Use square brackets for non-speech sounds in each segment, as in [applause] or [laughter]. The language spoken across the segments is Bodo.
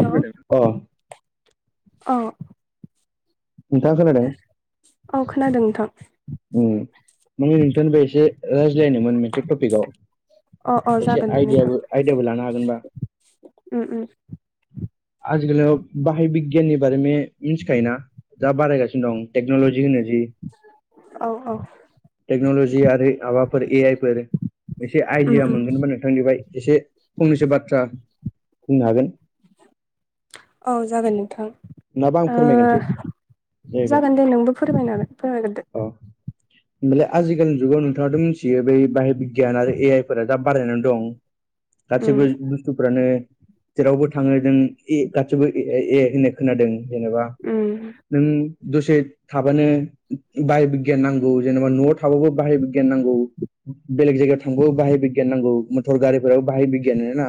हेल' अ औ नोंथाङा खोनायदों औ खोनादों नोंथां माने नोंथांनिबो एसे रायज्लायनोमोन मोनसे टपिकआव अ अ एसे जागोन दे नोंथां आइदियाबो आइदियाबो लानो हागोनबा उम उम आजिखालियाव बाहाय बिगियाननि बारैनो मिथिखायोोना दा बारायगासिनो दं टेक्न'लजि होन जि औ औ टेक्न'ल'जि आरो माबाफोर ए आइ फोर एसे उम आइडिया उम मोनगोन मानो बिथांनिफ्राय एसे फंनैसो बाथ्रा बुंनो हागोन औ जागोन नोंथां नङाबा आं फोरमायगोनसै जाहैबाय जागोन दे नोंबो फोरमायनानै फोरमायग्रोदो अ हालाय आजिलि जुगाव नोंथाङाथ' मिथियो बै बाहेर बिगियान आरो ए आइ फोर दा बारायनानै दं उम गासिबो बुस्थुफ्रानो जेरावबो थाङो जों ए गासिबो ए ए होननाय खोनादों जेनेबा उम नों दसे थाबानो बाहेर बिगियान नांगौ जेनेबा न'आव थाबाबो बाहेर बिगियान नांगौ बेलेग जायगायाव थांबो बाहाय बिगियान नांगौ मथर गारिफोराबो बाहाय बिगियान ना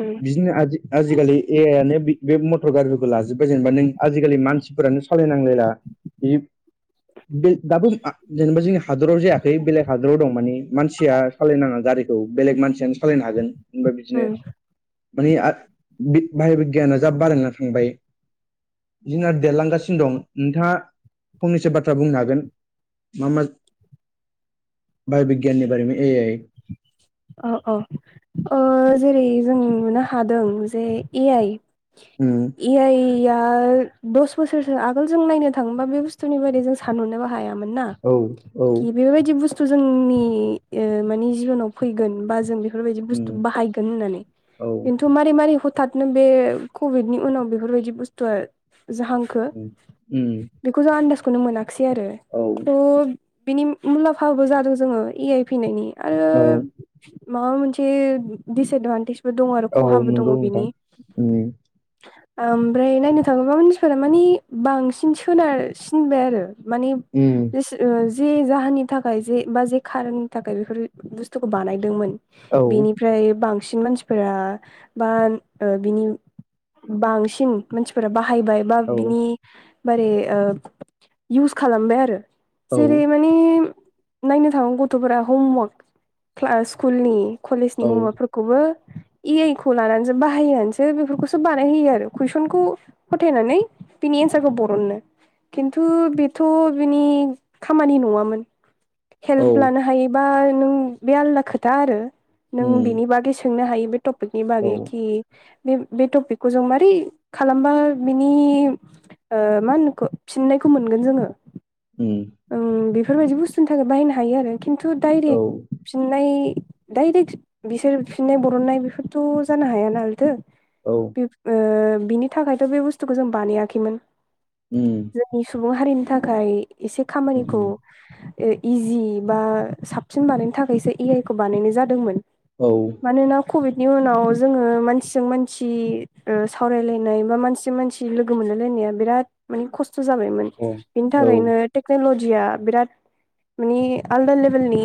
उम बिदिनो आजिखालि ए आइनो बे मथर गारि लाजोबबाय जेनेबा नों आजिखालि मानसिफोरानो सालायनांलायला बे दाबो जेनेबा जोंनि हादराव जायाखै बेलेग हादराव दं मानिे मानसिया सालायनाङा गारिखौ बेलेग मानसियानो सालायनो हागोन बा बिदिनो उम मानिे बाहेर बिगियाना जा बारायना थांबाय जोंनाना देरलांगासिनो दं नोंथाङा फंनैसो बाथ्रा बुंनो हागोन म म बाय'बिगियाननि बारै ए आइ औ औ जेरै जों नुनो हादों जे ए आइ उम ए आइया दस बोसोरसो आगोल जों नायनो थाङोबा बे बुस्थुनि बारै जों सानहरनोबो हायामोन ना औ औ कि बेफोरबायदि बुस्थु जोंनि माने जिबनाव फैगोन बा जों बे बेफोरबायदि बुस्थु उम बाहायगोन होननानै औ खिन्थु मारै मारै थारनो बे कभिडनि उनाव बेफोरबायदि बुस्थुआ जाहां उम बेखौ जों आन्दासखौनो मोनाखसै आरो औ थ' बिनि मुलाम्फाबो जादों जोङो ए आइ फैनायनि आरो औ माबा मोनसे दिसएदभान्टेज दङ आरो औ खहाबो दङ नंगौ नोंथां बेनि उम ओमफ्राय नायनो थाङोब्ला मानसिफोरा मानिे बांसिन सोनारसिनबाय आरो मानि उम जे जाहोननि थाखाय जे बा जे खारननि थाखाय बेफोर बुस्थुखौ बानायदोंमोन औ बिनिफ्राय बांसिन मानसिफोरा बा बिनि बांसिन मानसिफोरा बाहायबाय बा औ बिनि बारै ओ इउस खालामबाय आरो औ जेरै मे नायनो थाङोन गथ'फोरा हमवार्क स्कुलनि कलेजनि औ हमवार्कफोरखौबो ए आइ खौ लानानैसो बाहायनानैसो बेफोरखौसो बानायहोयो आरो कुइसनखौ फथायनानै बिनि इन्सारखौ बरनो खिन्थु बेथ' बिनि खामानि नङामोन औ हेल्प लानो हायोबा नों बे आलदा खोथा आरो। नों उम बिनि बागै सोंनो हायो बे ट'पिक नि औ बागै बे बे टपिकखौ जों मारै खालामबा बिनि मा होनो फिननायखौ मोनगोन जोंङो उ बेफोरबायाददि बुस्थुनि थाखाय बाहायनो हायो आरो खिन्थु औ दायरेक् फिननाय दडाइरेक्ट बिसोर फिननाय बरननाय बेफोरथ' जानो हाया नालदो औव बिनि थाखायथ' बे बुस्थुखौ जों बानायाखैमोन। उ जोंनि सुबुं हारिनि थाखाय एसे खामानिखौ उम इजि बा साबसिन बानायनो थाखायसो ए आइ खौ बानायनाय जादोंमोन औव मानोना कभिडनि उनाव जोंङो मानसिजों मानसि सावरायलायनाय बा मानसिजों मानसि सि लोगो मोनलायलायनाया बिराद माने खस्थ' जाबायमोन अ औ बिनि थाखायनो टेक्नलजिया बिरत मानि आलदा लेभेलनि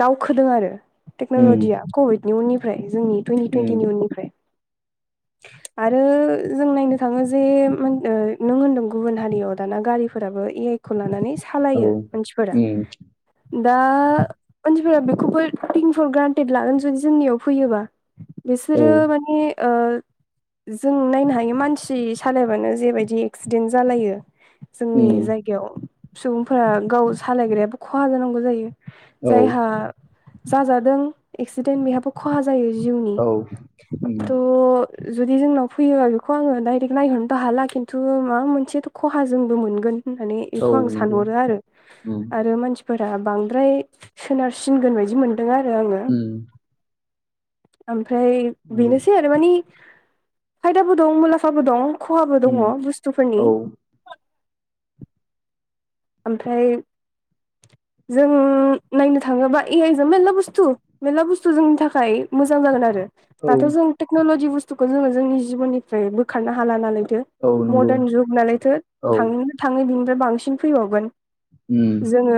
दावखोदों आरो उम टेक्न'लजिया कभिडनि उननिफ्राय जोंनि टुन्टि टुवन्टि उम निननिफ्राय आरो जों नायनो थांङो जे नों होनदों गुबुन हारियाव दाना गारिफोराबो एक खौ लानानै औ सालायो मानसिफोरा उम दा मनसिफोरा बेखौबो फर ग्रान्टेड लागोन जुदि जोंनियाव फैयोबा औ बिसोरो माने ओ जों नायनो हायो मानसि सालायबानो जेबायदि एक्सिडेन्ट जालायो जोंनि उम जायगायाव सुबुंफोरा गाव सालायग्रायाबो खहा जानांगौ जायो। औ जायहा जाजादों एक्सिडेन्ट बेहाबो खहा जायो जिउनि औ उम थ' जुदि जोंनाव फैयोबा बेखौ आंङो दडाइरेक्ट नायहरनोबो हाला खिन्थु माबा मोनसेथ' खहा जोंबो मोनगोन होननानै औ बेखौ आं नंगौ सानहरो आरो उम आरो मानसिफोरा बांद्राय सोनारसिनगोन बायदि मोनदों आरो आंङो उम ओमफ्राय नंगौ बेनोसै आरो मानि खायदाबो दं मुलाम्फाबो दं खहाबो दंङ उम बुस्थुफोरनि औ ओमफ्राय जों नायनो थांङोबा ए आइ जों मेल्ला बुस्थु मेर्ला बुस्थु जोंनि थाखाय मोजां जागोन आरो औ दाथ' जों टेक्न'ल'जि बुस्थुखौ जोंङो जोंनि जिबननिफ्राय बोखारनो हाला नालायदो औ नंगौ मदार्न जुग नालायथ' औ थाङै थाङै बिनिफ्राय बांसिन फैबावगोन उ जोंङो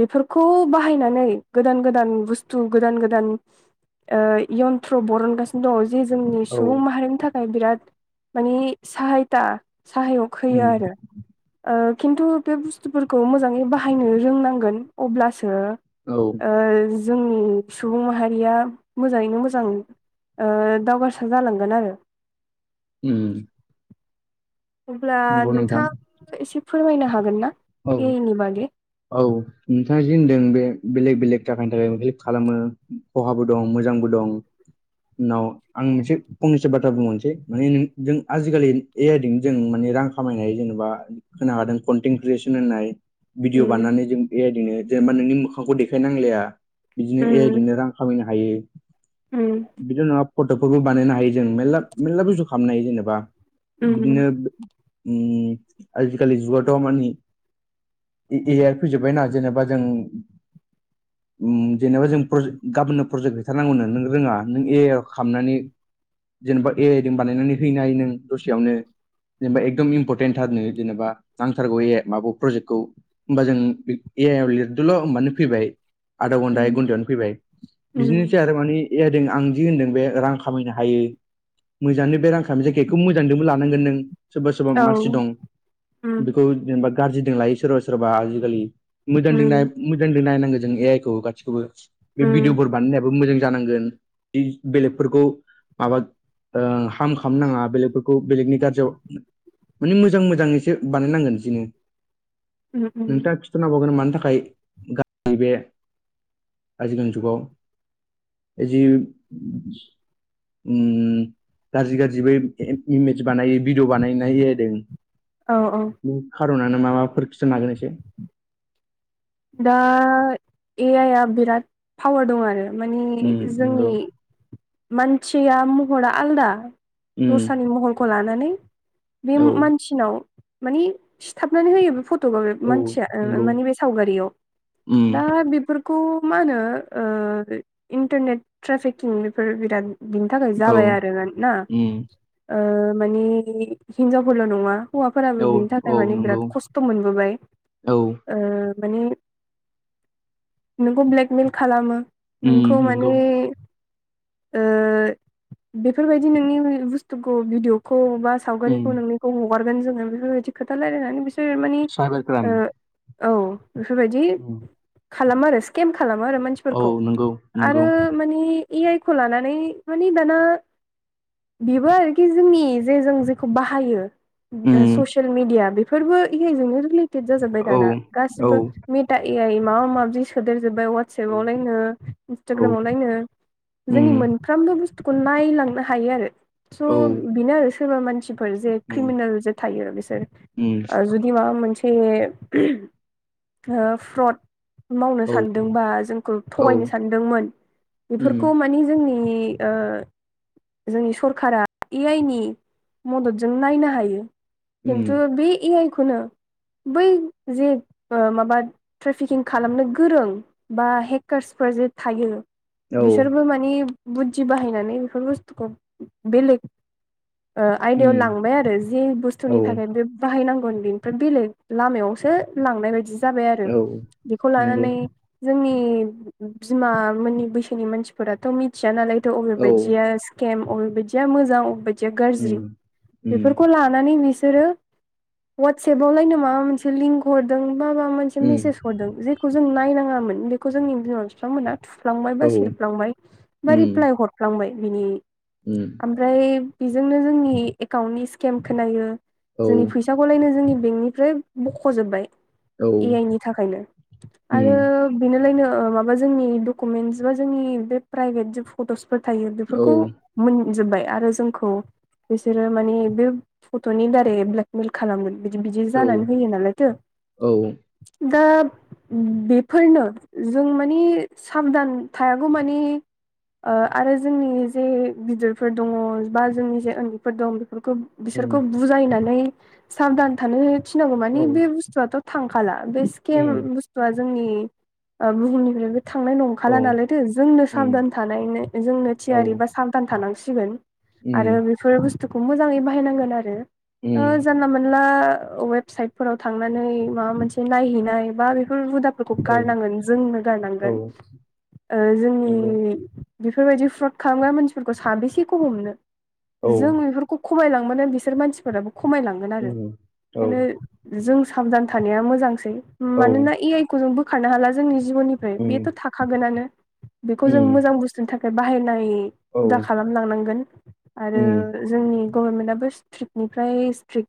बेफोरखौ बाहायनानै गोदान गोदान बुस्थु गोदान गोदान यन थ्रु बररन गास दंङ जे जोंनि औ सुबुं माहारिनि थाखाय बिराद मानिे साहायथा साहाय' खैयो उम आरो खिन्थु बे बुस्थुफोरखौ मोंजाङै बाहायनो रोंनांगोन अब्लासो औव जोंनि सुबुं माहारिया मोजांङैनो मोजां दावगारसा जालांगोन आरो। उ अब्ला नोंथां नोंथांङाबो एसे फोरमायनो हागोन ना एनि बागै? औव नोंथांङा जि होनदों बे बेलेग बेलेग थाखानि थाखाय हेल्प खालामो खहाबो दं मोजांबो दं न' आं मोनसे फंनैसो बाथ्रा बुंबनोसै माने जों आजिखालि एयदिं जों माने रां खामायनाय जेनेबा होनो हादों कनटिं क्रिसन होननाय भिडिअ उम बानायनानै जों ए आइनो जेनेबा नोंनि मोखांखौ देखायनांलाया। बिदिनो ए आइजोंनो रां खामायनो हायो। ओम बिदि नङा फटकफोरबो बानायनो हायो जों मेल्ला मेरला बुजु खालामनो हायो जेनेबा। उम बिदिनो ओम आजिखालि जुगाथ' मानि ए आइ फैजोबबायना जेनेबा जों उम जेनेबा जों गाबोननो प्रजेक्ट हैैथारनांगौनो नों रोङा नों ए आइआव खामनानै जेनेबा ए आइजों बानायनानै हैनो हायो नों दसेयावनो। जेनेबा एकदम इम्परटेन्थारनो जेनेबा नांथारगौ ए आइ माबा प्रजेक्टखौ होमबा जों ए आइ आव लिरदोल' होनबानो फैबाय। आधा घन्टा एक उम घन्टायावनो फैबाय उम बिदिनोसै आरो। माने ए आइदों आं दि होनदों बे रां खामायनो हायो। मोजांनो बे रां खामाय जायखिजाया बेखौ मोजांजोंबो लानांगोन नों। सोरबा सोरबा औ मानसि दं उम बेखौ जेनेबा गाज्रिदों लायो सोरबा सोरबा आजिखालि। मोजांजों नाय उम मोजांदों नायनांगौ जों ए आइखौ गासिखौबो बे उम भिडिअफोर बानायनायाबो मोजां जानांगोन जि बेलेगफोरखौ माबा ओं हार्म खालामनो नाङा बेलेगफोरखौ बेलेगनि गाज्रियाव माने मोजां मोजां एसे बानायनांगोन बिदिनो उम उम नोंथाङा खिथानो हाबावगोन मानि थाखाय गा बे आजिखालिनि जुगाव जि उम उम गाज्रि गाज्रिबो इमेज बानायो भिडिअ बानायनाय जादों। औ औ बे खारनानो मा माफोर [unintelligible] नाजानायसो। दा ए आइ आ बिराद पावार दं आरो। उम मानि जोंनि नंगौ मानथिया महरा आलदा। उम दस्रानि महलखौ लानानै बे औ मानसिनाव मानि सिथाबनानै होयो बे फट' गावनो बे औ मानसिया ओ नंगौ मानि बे सावगारियाव। उम दा बेफोरखौ मा होनो ओ इन्टारनेट ट्रेफिकिं बेफोर बिराद [inaudible] थाखाय औ जाबाय आरो ना उम ओ मानि हिन्जावफोरल' नङा। हौवाफोराबो औ बिनि थाखाय औ माने नंगौ बिराद खस्थ' मोनबोबाय औ ओ। माने नोंखौ ब्लेकमेल खालामो। नोंखौ उम माने नंगौ ओ बेफोरबायदि नोंनि बुस्थुखौ भिदिअ'खौ बा उम सावगारिखौ नोंनिखौ हगारगोन जोङो बेफोरबायदि खोथा रायलायनानै बिसोर मानि साइबार क्राइम ओ औ बेफोरबायदि उम खालामो आरो स्केम खालामो आरो मानसि औ फोरखौ नंगौ नंगौ आरो माने ए आइ खौ लानानै माने दाना बेबो आरोखि जोंनि जे जों जेखौ बाहायो उम ससियेल मिडिया बेफोरबो ए आइजोंनो रिलेटेद जाजोबबाय औ दाना औ गासिबो। मिटा ए आइ माबा माबि सोदेर जोब्बाय वा औ सेपावलायनो औ इन्सटाग्रामावलायनो जोंनि उम मोन सानफ्रामबो बुस्थुखौ नायलांनो हायो आरो। स' औ बेनो आरो सोरबा मानसिफोर जे उम क्रिमिनेल जे थायो आरो बिसोर उम जु बि माबा मोनसे ओ फ्रड मावनो औ सानदों बा जोंखौ औ थगायनो सानदोंमोन उम बेफोरखौ मानि जोंनि ओ जोंनि सरखारा ए आइ नि मददजों नायनो हायो। उम खिन्थु बे ए आइ खौनो बै जे माबा ट्रेफिकिं खालामनो गोरों बा हेकार्सफोर जे थायो औ बिसोरबो मानि बुद्धि बाहायनानै बेफोर बुस्थुखौ बेलेग आयदायाव उम लांबाय आरो जि औ बुस्थुनि थाखाय बे बाहायनांगोन बेनिफ्राय बेलेग लामायावसो लांनाय बायदि जाबाय आरो औ बेखौ नंगौ लानानै जोंनि बिमा मोननि बैसोनि मानसि फोरथ' मिथिया नालायथ' औ बबेबायदिया स्केम बबेबायदिया मोजां अबेबायदि उम गाज्रि उम बेफोरखौ ला [unintelligible] बिसोरो वाट्साबावलायनो माबामोनसे लिंहरदों बा बामोनसे उम हरदों जेखौ जों नायनाङामोन बेखौ जोंनि बिनाव बिफामोना थुफ्लांबाय बा औ सेरफ्लांबाय बा रिप्लाय हरफ्लांबाय बिनि उ ओमफ्राय बेजोंनो जोंनि एकाउन्टनि स्केम खोनायो औ जोंनि फै फिसाखौलायनो जोंनि बेंकनिफ्राय बख'जोबबाय औ ए आइ नि थाखायनो आरो उम बेनोलायनो ओ माबा जोंनि डकुमेन्टस बा जोंनि बे प्राइभेट ज फट'सफोर थायो औ बेफोरखौ मोनजोबबाय आरो जोंखौ बिसोरो माने बे फट'नि दारै ब्लेकमेल खालामगोन बिदि बिदि औ जानानै होयो नालायथ' औ दा बेफोरनो जों मानि साबधान थायागौ मानि ओ आरो जोंनि जे गिदिरफोर दङ बा जोंनि जे उन्दैफोर दं बेफोरखौ उम बिसोरखौ बुजायनानै साबधान थानो थिनांगौ मानिे औ बे बुस्थुआथ' थांखाला बे स्केम उम बुस्थुआ जोंनि ओ बुहुमनिफ्राय थांनाय औ नंखाला नालायथो जोंनो उम साबधान थानाय जोंनो औ थियारि बा साबधान थानांसिगोन आरो उम बेफोर बुस्थुखौ मोजाङै बाहायनांगोन आरो उम जानला मोनानला वब साइडफोराव थांनानै माबा मोनसे नायहैनाय बा बेफोर हुदा फोरखौ औ गारनांगोन जोंनो औ गारनांगोन ओ जोंनि नंगौ बेफोरबायदि फ्रद खालामग्रा मानसिफोरखौ साबेसेखौ हमनो औ जों बेफोरखौ खमायलांबानो बिसोर मानसिफोराबो खमायलांगोन आरो उम औ बेखायनो जों सा थानाया मोजांसै औ मानोना ए आइ खौ जों बोखारनो हाला जोंनि जिउनि ओमफ्राय बेथ' उम थाखागोन नानो बेखौ जों उम मोजां बुस्थुनि थाखाय बाहायनाय औ हुदा खालामलांनांगोन आरो उम जोंनि गभर्नमेन्टआबो स्ट्रिकटनिफ्राय स्ट्रिक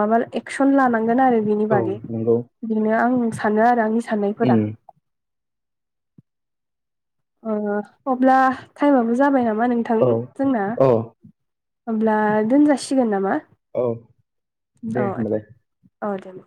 माबा एक्सन लानांगोन आरो बिनि औ बागै नंगौ बिनो आं सानो आरो आंनि साननायफोरा उम अब्ला टाइमाबो जाबाय नामा नोंथां औ जोंना अ हब्ला दोनजासिगोन नामा औ दे होनबालाय औे औ दे